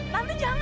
tante jangan mbak